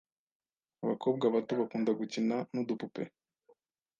Abakobwa bato bakunda gukina nudupupe.